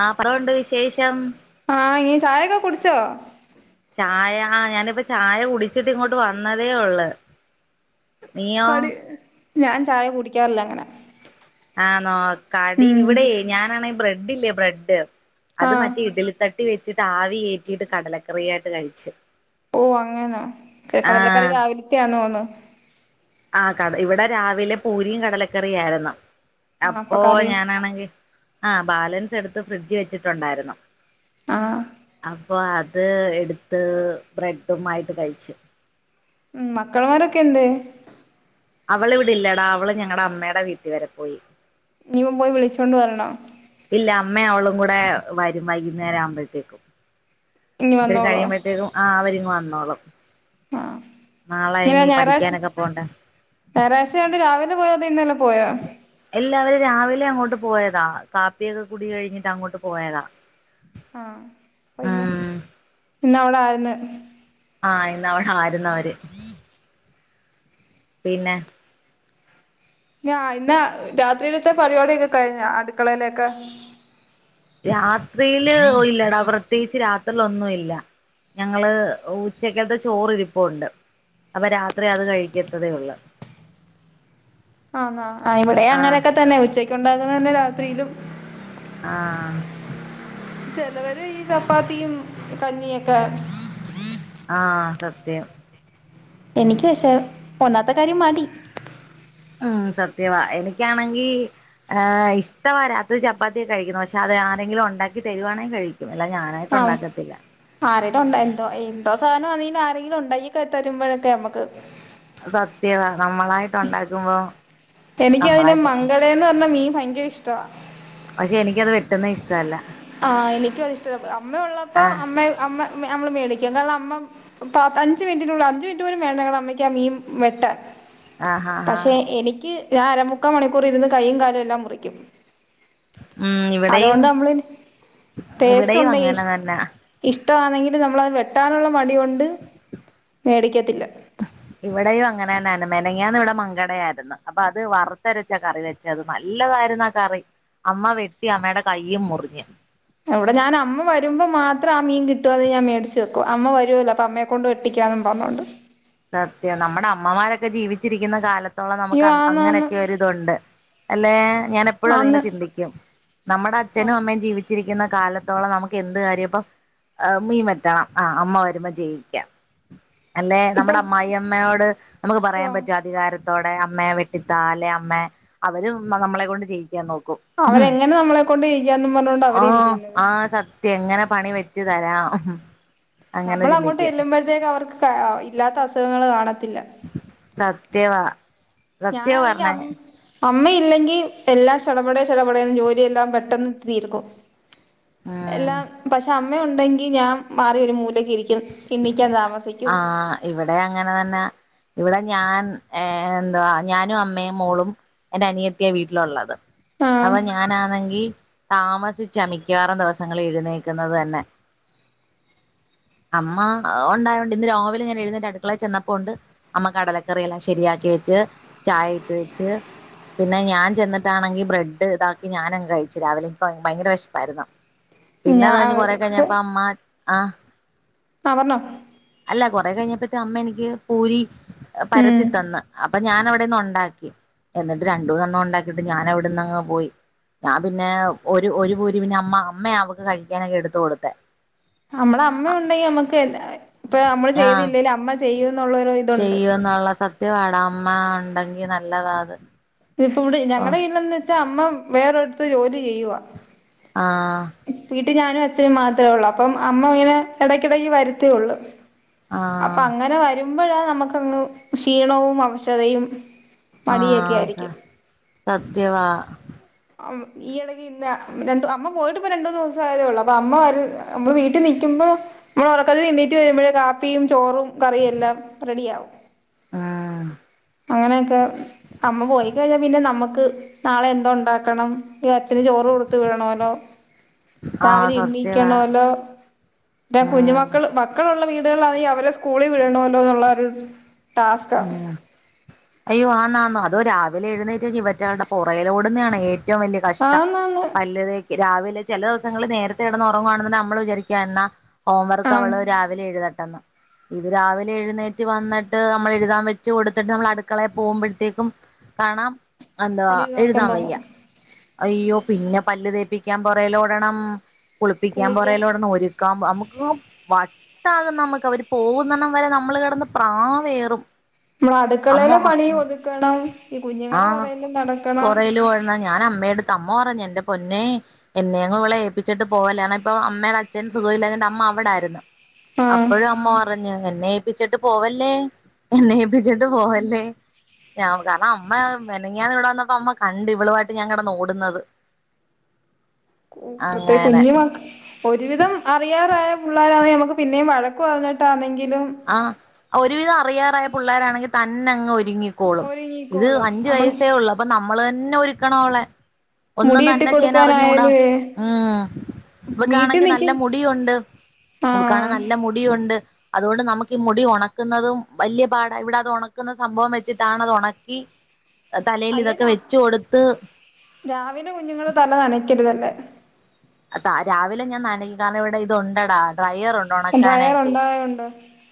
ആ പറൂണ്ട് വിശേഷം ആ ഇ ചായൊക്കെ കുടിച്ചോ? ചായ ആ ഞാനിപ്പോ ചായ കുടിച്ചിട്ട് ഇങ്ങോട്ട് വന്നതേ ഉള്ളു. നീയോ കടി ഞാൻ ചായ കുടിക്കാറില്ല അങ്ങനെ ആ ണോ കടി ഉം ഇവിടെ ഞാനാണെ ബ്രെഡല്ലേ ബ്രെഡ് അത് ആഹ് മറ്റേ ഇഡലി തട്ടി വെച്ചിട്ട് ആവിയേറ്റിട്ട് കടലക്കറിയായിട്ട് കഴിച്ചു. ഓ അങ്ങനാ ആ കടലക്കറി രാവിലത്തെയ ആന്നു ഓന്നു ആ കട ഇവിടെ രാവിലെ പൂരിയും കടലക്കറി ആയിരുന്നു ആ അപ്പൊ അപ്പോ കറി ഞാനാണെങ്കി ആ ബാലൻസ് എടുത്ത് ഫ്രിഡ്ജ് വെച്ചിട്ടുണ്ടായിരുന്നു. ആഹ് അപ്പോ അ ത് എടുത്ത് ബ്രെഡും മായിട്ട് കഴിച് ഉം മക്കൾമാരൊക്കെ എന്തേ? അവള് ഇവിടെല്ലടാ അവള് ഞങ്ങളടെ അമ്മടെ വീട്ടിൽ വരെ പോയി. ഞ്ഞിപം പോയി വിളിച്ചോണ്ട് വരണാ ഇല്ല അമ്മ അവളും കൂടെ വരും വൈകുന്നേരം ആവുമ്പോഴത്തേക്കും. ഇനി ഇത്തിരി വന്നോളോ കഴിയുമ്പഴത്തേക്കും ആ അവരിങ് വന്നോളും ആ നാളെ ഇങ്ങനെ ഇനി ഞായറാഴ്ച പഠിക്കാനൊക്കെ പോണ്ടേ ഞായറാഴ്ചണ്ട് രാവിലെ പോയത ഇന്നല്ല എല്ലാവരും രാവിലെ അങ്ങോട്ട് പോയതാ കാപ്പിയൊക്കെ കുടി കഴിഞ്ഞിട്ട് അങ്ങോട്ട് പോയതാ. ആ ഇപ്പ ഇന്ന് ഉം ഇന്ന് അവടെ ആണ്ന്ന് ആ ഇന്നവൾ ീർ [unintelligible] പിന്നെ ഞാ ഇന്ന രാത്രിയിലത്തെ പരിപാടിയൊക്കെ കഴിഞ്ഞാ അടുക്കളയിലൊക്കെ? രാത്രിയില് ഇല്ലടാ പ്രത്യേകിച്ച് രാത് ലോന്നും ഇല്ല. ഞങ്ങള് ഉച്ചക്കത്തെ ചോറി ഇരിപ്പുണ്ട്. അപ്പൊ രാത്രി അത് കഴിക്കത്തതേ ഉള്ളോ ആ ങ്ങാ ആ ഇവിടെ ആഹ് അങ്ങനെയൊക്കെ തന്നെ ഉച്ചക്ക് ഉണ്ടാകുന്ന തന്നെ രാത്രിയിലും ആഹ് ചിലവര് ഈ ചപ്പാത്തിയും കഞ്ഞിയൊക്കെ ആഹ സത്യം എനിക്ക് പക്ഷേ ഒന്നാത്തെ കാര്യം മടി ഉം സത്യവാ എനിക്കാണെങ്കി ഹ് ഇഷ്ടവാ രാത്രി ചപ്പാത്തിയൊക്കെ കഴിക്കുന്നു പക്ഷെ അത് ആ എന്തെങ്കിലൊണ്ടാക്കി തരുവാണെ കഴിക്കും. അല്ലാതെ ഞാനായിട്ട് ആഹു ഉണ്ടാക്കത്തില്ല ആരെലും ഉണ്ടോ എന്തോ എന്തോസ് സാനോന്നീല് ആരെങ്കിലൊണ്ടാക്കി ക തരുമ്പോഴൊക്കെ നമുക്ക് സത്യതാ നമ്മളായിട്ട് ഉണ്ടാക്കുമ്പോ എനിക്ക് അതിലെ നമ്മളായിട്ട് മങ്കടേന്ന് പറഞ്ഞ മീൻ ഭയങ്കര ഇഷ്ടവാ പക്ഷെ എനിക്കത് വെട്ടുന്ന ഇഷ്ടല്ല ആഹ എനിക്കും അതിഷ്ട അമ്മ ഉള്ളപ്പോ ആഹ് അമ്മ അമ്മ നമ്മള് മേടിക്കും കാരണം അമ്മ പത്ത് അഞ്ച് മിനിറ്റിനുള്ള അഞ്ച് മിനിറ്റ് പോലും വേണ്ട ഞങ്ങടെ അമ്മക്ക് ആ മീൻ വെട്ടാൻ ആഹ് ആഹ് പക്ഷെ ആഹ് എനിക്ക് ഞാൻ അരമുക്കാ മണിക്കൂർ ഇരുന്ന് കൈയും കാലും എല്ലാം മുറിക്കും ഉം ഇവിടെയും അതുകൊണ്ട് നമ്മള് ഇവിടെയും അങ്ങനെ തന്നാ ഷ്ടാണെകില് നമ്മള്ത് വെട്ടാനുളള മടി കൊണ്ട് മേടിക്കതിലാ ഇവിടെയും അങ്ങനെ തന്ന മെനങ്ങാന്ന് ഇവിടെ മങ്കടയായിരുന്നു അപ്പൊ അത് വറുത്തരച്ച കറി വെച്ച അത് നല്ലതായി ുന്നറി അമ്മ വെട്ടി അമ്മയുടെ കൈയും മുറിഞ്ഞ് ഇവിടെ ഞാൻ അമ്മ വരുമ്പോ മാത്രം ആ മീൻ കിട്ടും അത് ഞാൻ മേടിച്ച് വെക്കും അമ്മ വരൂല്ലോ അപ്പൊ അമ്മയെ കൊണ്ട് വെട്ടിക്കാന്നും പറഞ്ഞോണ്ട് സത്യം നമ്മുടെ അമ്മമാരൊക്കെ ജീവിച്ചിരിക്കുന്ന കാലത്ത് ത്തോളം അയ്യോ നമുക്ക് ആന്നാന്ന് അങ്ങനെയൊക്കെ ഒരിതുണ്ട് അല്ലേ ഞാൻ എപ്പോഴും അതിങ്ങനെ ആന്ന് ചിന്തിക്കും നമ്മുടെ ആഹ് അച്ഛനും അമ്മയും ജീവിച്ചിരിക്കുന്ന കാലത്തോളം നമുക്ക് എന്ത് കാര്യം ഇപ്പൊ ആ മീൻ വെട്ടണം ആ അമ്മ വരുമ്പോ ജയിക്കാം അല്ലേ ഇപ്പൊ നമ്മുടെ അമ്മായിയമ്മയോട് നമുക്ക് യോ പറയാൻ പറ്റും അധികാരത്തോടെ അമ്മേ വെട്ടിത്താ അലേ അമ്മേ അവരും നമ്മളെ കൊണ്ട് ചെയയിക്കാൻ നോക്കി ഹും അവരെങ്ങനെ നമ്മളെ കൊണ്ട് ചെയ്യിക്കാന്നും പറഞ്ഞോണ്ട് ആ അവരിരിക്കുന്നത് ആ സത്യം എങ്ങനെ പണി വെച്ച് തരാ നമ്മൾ അങ്ങോട്ട് ചെല്ലുമ്പോഴത്തേക്ക് അവർക്ക് ഇല്ലാത്ത അസുഖങ്ങള് കാണത്തില്ല സത്യവാ സത്യാ പറഞ്ഞേ അമ്മയില്ലെങ്കിൽ എല്ലാം ശടപട ശടപടേൻോഊൂഊഊഊ ജോലിയെല്ലാം പെട്ടെന്ന് തീർക്കും ഉം എല്ലാം പക്ഷെ അമ്മ ഉണ്ടെങ്കി ഞാൻ മാറി ഒരു മൂലക്കെ ഇരിക്കു ആ ഇവിടെ അങ്ങന തന്നാ ഇവിടെ ഞാൻ എന്താവാ ഞാനും അമ്മയും മോളും എന്റെ അനിയത്തിയ വീട്ടിലുള്ളത് അവ ആഹ് ഞാനാന്നെങ്കി താമസിച്ചാ മിക്കാറും ദിവസങ്ങൾ എഴുന്നേക്കുന്നത് തന്നെ അമ്മ ഉണ്ടായോണ്ട് ഇന്ന് രാവിൽ ഞാൻ എഴുന്നേറ്റ് അടുക്കളെ ചെന്നപോണ്ട് അമ്മ കടലക്കറില്ലാം ശരിയാക്കി വെച്ച് ചായ ഇട്ട് വെച്ച് പിന്നെ ഞാൻ ചെന്നിട്ടാണെങ്കി ബ്രെഡ് ഇതാക്കി ഞാനങ്ങ് കഴിച്ചു രാവിലെ എനിക്ക് ഭയങ്കര വിശപായിരുന്നു പിന്നെ ഞാ അത് കഴിഞ്ഞ് കൊറെ ആഹ് കഴിഞ്ഞപ്പ അമ്മ ആഹ ആ പറഞ്ഞോ അല്ല കൊറ കഴിഞ്ഞപ്പത്തെ അമ്മ എനിക്ക് പൂരി ഉം പരത്തിത്തന്ന് അപ്പൊ ഞാൻ അവിടെന്ന് ഉണ്ടാക്കി എന്നിട്ട് രണ്ടൂനെ എണ്ണം ഉണ്ടാക്കിയിട്ട് ഞാൻ അവിടന്ന്ങ്ങ് പോയി ഞാൻ പിന്നെ ഒരു ഒരു പൂരി പിന്നെ അമ്മ അമ്മ അവൾക്ക് കഴിക്കാനൊക്കെ എടുത്ത കൊടുത്തെ നമ്മടെ അമ്മയുണ്ടെങ്കി നമ്മുക്ക് ഇപ്പ നമ്മള് ചെയ്തില്ലേലും അമ്മ ചെയ്ത് ചെയ്യൂ എന്നുള്ള സത്യ വടാമ്മ ഉണ്ടെങ്കി നല്ലതാ അത് ഇതിപ്പോ ഇവിടെ ഓ ഞങ്ങളടെ വീടിലെന്ന് വെച്ചാ അമ്മ വേറൊരുത്തത്ത് ജോലി ചെയ്യുവ ആ വീടി ഞാനും അച്ഛനും മാത്രേ ഉള്ളൂ അപ്പം അമ്മ ഇങ്ങനെ ഇടയ്ക്കിടക്ക് വരുത്തയള്ളൂ അപ്പൊ ആഹ് അങ്ങനെ വരുമ്പോഴാ നമുക്കങ്ങ് ക്ഷീണവും അവശതയും ആ മടിയൊക്കെ ആയിരിക്കും സത്യവാ ഈ ഇള ഇന്ന് രണ്ട അമ്മ പോയിട്ട് ഇപ്പോ രണ്ടൂന് ദിവസേ ആയതേ ഉള്ളൊ അപ്പോ അമ്മ വീട്ടിൽ നിക്കുമ്പോ നമ്മള് ഉറക്കത്തിഎണ്ണീട്ട് വരുമ്പോഴേ കപ്പിയും ചോറും കറിയും എല്ലാം റെഡിയവും ആ അങ്ങനെയൊക്കെ അമ്മ പോയിക്കഴിഞ്ഞാൽ പിന്നെ നമ്മക്ക് നാളെ എന്തോ ഉണ്ടാക്കണം അച്ഛന് ചോറ് കൊടുത്ത വിടണല്ലോ ആഹ് രാവിലെ സത്യവാ ഇണ്ണിക്കണല്ലോ [unintelligible] കുഞ്ഞു ഉം മക്കൾ മക്കളുള്ള വീട് [unintelligible] അവരെ സ്കൂളിൽ വിടണല്ലോ എന്നുള്ളൊരു ഉം അയ്യോ ആന്ന് ആന്ന് അതൊരാ രാവിലെ എഴുന്നേറ്റക്കവറ്റകുടെ പുറയലോടുന്നാണ് ഏറ്റവും വലിയ കഷ്ടം ആന്നാന്ന് പല്ലതേക്ക് രാവിലെ ചില ദിവസങ്ങള് നേരത്തെ കടന്ന് ഉറങ്ങുവായാണെന്ന് നമ്മൾ വിചാരിക്കുക എന്നാ ഹോംവർക്ക് ആഹ് അവള് രാവിലെ എഴുതട്ടെന്ന്. ഇത് രാവിലെ എഴുന്നേറ്റ് വന്നിട്ട് നമ്മൾ എഴുതാൻ വെച്ച് കൊടുത്തിട്ട് നമ്മൾ അടുക്കളയൽ പോകുമ്പോഴത്തേക്കും കാണാം അന്ത അവിടെയിരുന്നൊറക്കം എഴുതാം വയ്യ തൂങ്ങും യ്യോപിന്നെ പല്ല് തേപ്പിക്കാൻ പൊറേലോടണം കുളിപ്പിക്കാൻ കുളിക്ക പൊറേടണംലോ ഒരുക്കാൻ നമു [unintelligible] വട്ടാകും നമുക്ക് അവര് പോകുന്നെണ്ണം വരെ നമ്മള് കിടന്ന് പ്രാവേറും നമ്മള അടുക്കളയില അമ്മോ പണി ഒതുക്കണം ഈ കുഞ്ഞുങ്ങള പുറകലും നടക്കണം. ഞൻ അമ്മയുടെ തമ്മ അമ്മ പറഞ്ഞു എന്റെ പൊന്നെ എന്നെ നിങ്ങൾ ഇവളെ ഏപ്പിച്ചിട്ട് പോവല്ലേ ഇപ്പൊ അമ്മയുടെ അച്ഛൻ സുഖമല്ലണ്ട് അമ്മ അ ല്ലാരുന്നു. ആഹ് അപ്പോഴും അമ്മ പറഞ്ഞു എന്നെ ഏപ്പിച്ചിട്ട് പോവല്ലേ എന്ന ച്ചിട്ട് പോവല്ലേ ഞ കാരണം അമ്മ മെനങ്ങിയാന്ന് ഇവിടെ വന്നപ്പോ അമ്മ കണ്ടു ഇവളമായിട്ട് ഞൻ കിട ന്ന്ഓടുന്നത്. പ്രത്യേക കുഞ്ഞു ഒരുവിധം അറിയാറായ പിള്ളോരണെ നമുക്ക് പിന്നെ വഴക്ക പറഞ്ഞിട്ടണങ്കിൽ ആഹ ഒരുവിധം അറിയാറായ പിള്ളോരണെങ്കിൽ തന്നെങ്ങ് ങ്ങിക്കോളും ഇത് ഒരുങ്ങിക്കോളും അഞ്ചു നമ്മള് വയസ്സേ ഉള്ളൂ അപ്പൊ നമ്മള് തന്നെ ഒരുക്കണവളെ ഒന്നും മുടിവെട്ടി തന്നെ ചെയ്യൻ അറിഞ്ഞൂടാ കൊടുക്കാനായാലുവേ ഉം വീട്ടിൽ ഇവകാണെങ്കിൽ നല്ല നിക്കും മുടിയുണ്ട് ഇവകണെങ്കി ആഹ് നല്ല മുടിയുണ്ട് അതുകൊണ്ട് നമുക്ക് ഈ മുടി ഉണക്കുന്നതും വലിയ പാട ഇവിടെ അത് ഉണക്കുന്ന സംഭവം വെച്ചിട്ടാണ് അത് ഉണക്കി തലയിൽ അല്ല ഇതൊക്കെ രാ വെച്ച കൊടുത്ത് രാവിലെ കുഞ്ഞുങ്ങളുടെ തല നനക്കരുതല്ലേ അ രാവിലെ ഞാൻ നനയും കാരണം ഇവിടെ ഇതണ്ടടാ ഡ്രൈയർ ഉണ്ട ഡ്രയർ ഉണക്കാനായിട്ട് ഉണ്ടായോണ്ട്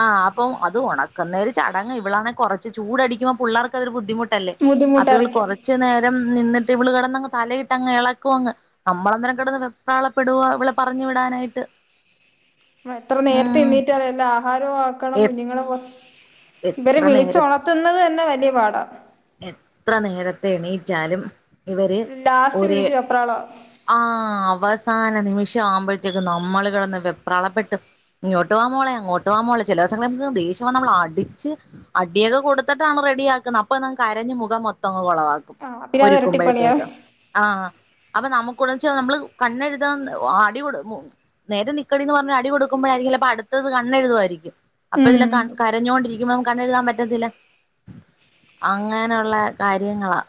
ആഹ് അപ്പ അ ഉണക്കുന്നേര് ചടങ് ഇളണെ കുറച്ച് ചൂടിക്കുമ്പൾ പിള്ളേർക്കൊരു ബുദ്ധിമുട്ട് ട്ടല്ലേ അപ്പൊ ഇവള് ബുദ്ധിമുട്ടായിരിക്കും കൊറച്ച നേരം ന്നിട്ട് ഇവള് കിടന്നങ് തലയിട്ട്ങ് ഇളക്കങ് നമ്മളന്നേരം കിടന്ന് വെ പ്രളപ്പെടുവാ ഇവളെ പറഞ്ഞു വിടാ നായിട്ട്. എത്ര നേരത്തെ എണ്ണീറ്റ് [unintelligible] ആഹാരവും ആക്കണം എ കുഞ്ഞുങ്ങളെ പോ ഇവര് എത്ര വിളിച്ച നേരത്തെ ഉണത്തുന്നത് തന്നെ വലിയ പാടാ എത്ര നേരത്തെ എണീറ്റാലും ഇവര് ലാസ്റ്റ് ഒര മിനിറ്റ് വെപ്രാളവാ ആ അവസാന നിമിഷം ആമ്പോഴത്തേക്ക് നമ്മള് കിടന്ന്പ്രളപ്പെട്ട് ഇങ്ങോട്ട് വ മോള അങ്ങോട്ട് വ മോള ചില ദിവസങ്ങള ന [unintelligible] നമ്മൾ അടിച്ച് അടിയൊക്കെ കൊടുത്തിട്ടാണ് റെഡിയ ആക്കുന്നത് ഇപ്പൊ ന കരഞ്ഞമുഖം മൊത്തങ്ങ കുളവാക്കും ആഹ് പിന്നെ അത് ഇരട്ടിപ്പണിയാവും ഒരുക്കുമ്പോഴത്തേക്ക് ആ അപ്പൊ നമുക്ക് [unintelligible] നമ്മള് കണ്ണെഴുതാ അടി കൊടുക്കും നേരെ നിക്കടിന്ന് പറഞ്ഞ അടി കൊടുക്കുമ്പോഴരിക്കും [unintelligible] അടു ത് കണ്ണെഴുതുയിരിക്കും അപ്പൊ ഉം ഇതില ക കരഞ്ഞൊണ്ടിരിക്കുമ്പോ നു കണ്ണെഴുതാൻ പറ്റത്തില്ല. അങ്ങനെയുള്ള കാര്യങ്ങളാ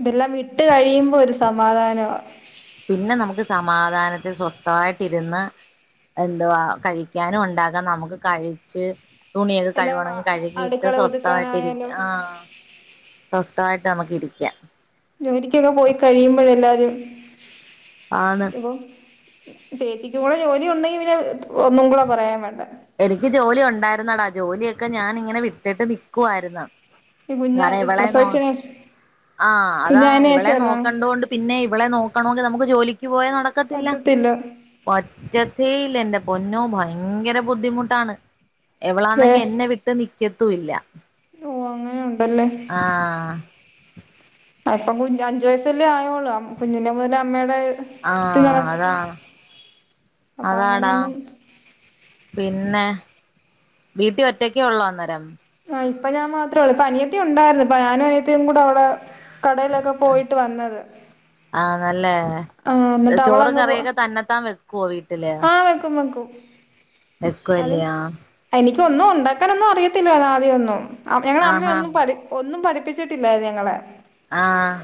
ഇതെല്ലാം വിട്ട് കഴിയുമ്പോ ഒരു സമാധാനമ പിന്നെ നമുക്ക് സമാധാനത്തിൽ സ്വസ്ഥമായിട്ടരുന്ന്. എന്തുവാ കഴിക്കാനും ഉണ്ടാകാം നമുക്ക് കഴിച്ച് തുണിയൊക്കെ എല്ലാം കഴുകണമെങ്കിൽ കഴുകിയിട്ട് അടുക്കള സ്വസ്ഥമായിട്ട് ഇരിക്കുക ഒതുക്കാനായാലും ആ സ് സ്ഥയിട്ട് നമുക്ക് ഇരിക്കാം. ജോലിക്കൊക്കെ പോയി കഴിയുമ്പോ എല്ലാരും ആന്ന് ഇപ്പ ചേച്ചിക്ക് കൂടെ ജോലി ഉണ്ടെങ്കി പിന്നെ ഒന്നും കൂടെ പറയാൻ വേണ്ട എനിക്ക് ജോലി ഉണ്ടായിരുന്നടാ. ജോലിയൊക്കെ ഞാൻ ഇങ്ങനെ വിട്ടിട്ട് നിക്കുവരുന്ന്. ഈ കുഞ്ഞ കാരണം ഇവളെ നോ പ്രസവിച്ചതിന് ശേഷം ആ അതാ കുഞ്ഞായേന് ഇവളെ ശേഷല്ലേ നോക്കണ്ടൊണ്ട് പിന്നെ ഇവളെ നോ [unintelligible] ണെങ്കിൽ നമുക്ക് ജോലിക്ക് പോയാ നടക്കത്തില്ല പറ്റത്തില്ല ഒറ്റ ചെയ്യില്ല എന്റെ പൊന്നോ ഭയങ്കെര ബുദ്ധിമുട്ടാണ് വേ എവളാണെങ്കി എന്നെ വിട്ട് ന ക്കത്തൂല്ല. ഓഹ് അങ്ങനെ ഉണ്ടല്ലേ ആഹ്. അപ്പം കുഞ്ഞ് അഞ്ചു വയസല്ലേ ആയോള്ളു. കുഞ്ഞിന്റെ മുതല അമ്മേയുടെ ആഹ് അതാ അപ്പൊ അതാടാ അങ്ങനൊന്നും പിന് പിന്നെ വീട്ടിൽ ഒറ്റക്ക ഒള്ളോ? അന്നേരം ഇപ്പ ഞാൻ മാത്രേ ഒള്ളു ഇപ്പ അനിയത്തി ഉണ്ടായ്ര്ന്ന്. ഇപ്പ ഞാനും അനിയത്തിയും കൂടെ അവിടെ കടയിലൊക്കെ പോയിട്ട് വന്നത്. ആഹ് നല്ലേ. ആ എന്നിട്ട് ചോറും അവളങ്ങ് പോ കറിയൊക്കെ തന്നെത്താൻ വെക്ക് ക്ക്വ വീട്ടില് ആ വെക്കും വെക്കും വെക്ക്വല്ലയാ? ഇതൊന്നും ഉണ്ടാക്കാനൊന്നും അറിയത്തില്ലാ ആദ്യ ഒന്നും. ഞങ്ങള അമ്മ ആഹാ ഒന്നും പഠി ഒന്നും പഠി പ്പിച്ചിട്ടില്ലാ ഞങ്ങളെ ആഹ്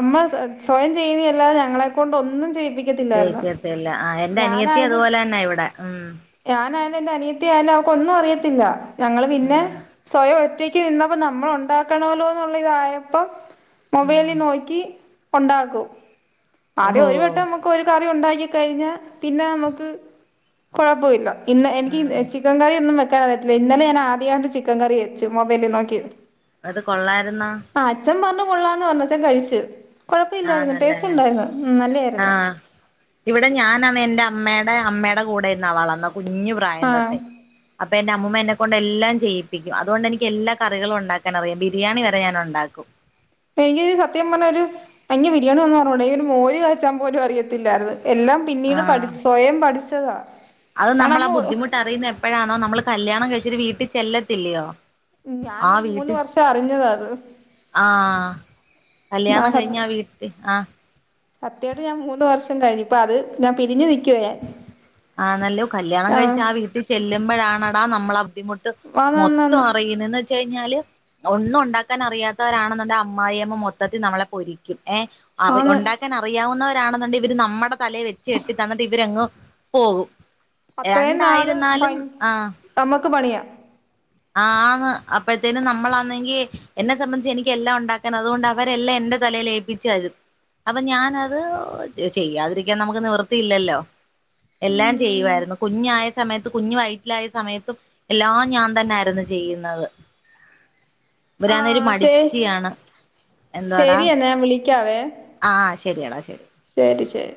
അമ്മ സ്വയം ചെയ്യുന്ന അല്ലാതെ ഞങ്ങളെ കൊണ്ട് ഒന്നും ചെയ്യിപ്പി ചെയ്ക്കത്തില്ല. ആഹ് എന്റെ അനിയത്തി അതുപോലെ ന്നെ ഇവിടെ ഉം പ്പം അനിയത്തി ആയാലും അവക്ക് ഒന്നും അറിയത്തില്ല. ഞങ്ങൾ പിന്നെ ഉം സ്വയം ഒറ്റ ക്ക് നിന്നപ്പോ നമ്മൾ ഉണ്ടാക്കൊണോ ലോ ഇന്നുള്ള ഇതായപ്പം ഉം മൊബൈലിൽ നോക്കി ഉണ്ടാക്കും ആദ്യം ഓഹോ ഒരു വട്ടം നമുക്ക് ഒരു കറി ഉണ്ടാക്കി കഴിഞ്ഞ പിന്നെ നമുക്ക് കുഴപ്പൊല്ല. ഇന്ന് എനിക്ക് ഉം ഇ ചിക്കൻ കറി ഇന്നും വെ ൻ വെറ്റില്ല ഇന്നലെ ഞാൻ ആദ്യയിട്ട് ചിക്കൻ കറി വെച്ച് മൊബൈലിൽ നോക്കി അത് കൊള്ളായിരുന്നോ? ആ അച്ഛൻ പറഞ്ഞു കൊള്ളാന്ന് പറ്ഞ്ഞച്ചൻ കഴിച്ചു. കൊഴപ്പ ആഹ് ഇല്ലായിര്ന്നു നല്ലേ ടേസ്റ്റ് ഉണ്ടായിരുന്നു. നല്ലേ ആ [unintelligible] രുന്നു. ആഹ് അമ്മടെ അമ്മടെ കൂടെ ഇരുന്നു വളർന്ന കുഞ്ഞു പ്രായം ആഹ് തൊട്ടെ അപ്പൊ എന്റെ അമ്മ അമ്മൂമ എന്നെ കൊണ്ട് എല്ലാം ചെയ്യിപ്പിക്കും. അതുകൊണ്ട് എനിക്ക് എല്ലാ കറികളും. അറിയാം ബിരിയാണി വരെ ഞാനുണ്ടാക്കും. [unintelligible] ഒരു സത്യം പറഞ്ഞാ ഒരു [unintelligible] ബിരിയാണി ഒന്നറിഞ്ഞൂടാ ഈ. ഒരു മോര് കാച്ചാ പോലും അറിയത്തില്ലാര്ന്നു. എല്ലാം പിന്നീട് ആഹ് പഠിച്ച് സ്വയം പഠിച്ചതാ. അത് നമ്മൾ ഞാനമ്മ ബുദ്ധിമുട്ട്റിയുന്ന എപ്പോഴാണോ നമ്മള് കല്യാണം കഴിച്ച വീട്ടിൽ ചെല്ലത്തില്ലയോ. ആഹ് ഞാനൊരു മൂന്ന് വീട്ടി വർഷം അറിഞ്ഞതാ അത് ആഹ് കല്യാണം കഴിഞ്ഞാ വീട്ട് അഹ് സത്യായിട്ടും ഞാൻ മൂന്ന് വർഷം കഴിഞ്ഞു ഇപ്പ അത് ഞാൻ പിരിഞ്ഞ് നിൽക്കവെ ആ നല്ലോ കല്യാണം കഴിച്ച ആ വീട്ടിൽ ചെല്ലുമ്പഴാണടാ നമ്മള ആ ബുദ്ധിമുട്ട് ആന്ന് ആന്ന് മൊത്തം ആന്ന് അറിയുന്ന. എന്ന് വച്ച കഴിഞ്ഞാല്. ഒന്നും ഉണ്ടാക്കാൻ അറിയാത്തവരാണെന്ന്ണ്ട് അമ്മായി അമ്മ മൊത്തത്തി നമ്മളെ പൊരിക്കും. ഏഹ് അറി [unintelligible] ആന്ന് ഉണ്ടാക്കാൻ അറിയാവുന്നവരാണെന്നുണ്ടെ ഇവര് നമ്മടെ തലേ വെച്ച് എട്ടി തന്നിട്ട് ഇവരങ്ങ് പോകും. അത്രയും നാള് നമ്മക്ക് പണിയാ. ആഹ് അപ്പഴത്തേനും നമ്മളാണെങ്കി എന്നെ സംബന്ധിച്ച് എനിക്ക് എല്ലാം ഉണ്ടാക്കാൻ അതുകൊണ്ട് അവരെല്ലാം എ ന്റെ തലേല് ഏല്പ്പിച്ചാത്. അപ്പൊ ഞാനത് ചെയ്യാതിരിക്കാൻ നമുക്ക് നിവർത്തിയില്ലല്ലോ. എല്ലാം ഉം ചെയ്യുവാര്ന്നു. കുഞ്ഞ് ആയ സമയത്തും, കുഞ്ഞ് വയറ്റിലായ സമയത്തും എല്ലാം ഞാൻ തന്നെ ആയിര് പെട്ടെന്ന് ചെയ്യുന്നത്. ഇവരാണല് ആഹ് ശരി മടിച്ചിയാണ്. എന്തോടാ ശരി എന്നാ ഞാൻ ആഹ് ശ് ശെരിയണ് അയ്ശരി ശെരി ശെരി